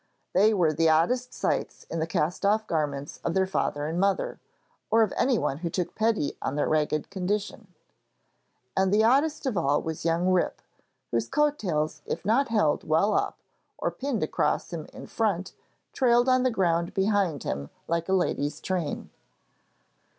They were the oddest sights in the cast off garments of their father and mother, or of anyone who took pity on their ragged condition; and the oddest of all was young Rip, whose coat tails if not held well up or pinned across him in front, trailed on the ground behind him like a lady's train.